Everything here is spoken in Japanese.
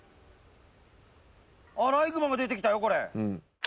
アライグマが出てきたよこれ。